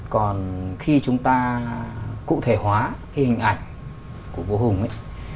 còn khi chúng ta cụ thể hóa cái hình ảnh của vua hùng ấy